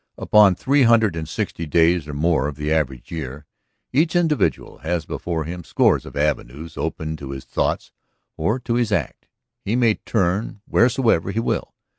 Upon three hundred and sixty days or more of the average year each individual has before him scores of avenues open to his thoughts or to his act; he may turn wheresoever he will.